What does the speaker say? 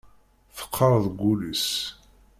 Teqqar deg wul-is.